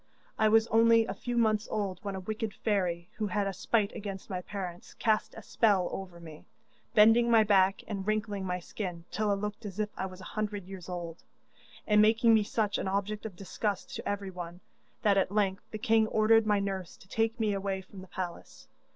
I was only a few months old when a wicked fairy, who had a spite against my parents, cast a spell over me, bending my back and wrinkling my skin till I looked as if I was a hundred years old, and making me such an object of disgust to everyone, that at length the king ordered my nurse to take my away from the palace.